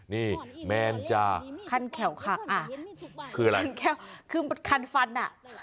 นี่แมนจ้าคันแขวค่ะคืออะไรคันแขวคือคันฟัน